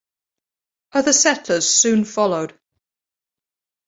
Other settlers soon followed.